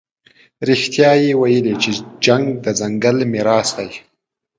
رښتیا یې ویلي چې جنګ د ځنګل میراث دی.